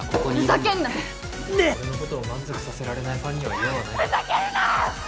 ふざけんな俺のことを満足させられないファンには用はないからふざけるな！